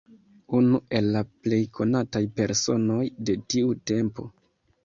Unu el la plej konataj personoj de tiu tempo.